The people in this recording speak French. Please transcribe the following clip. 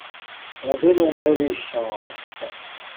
On dénombrait les chances.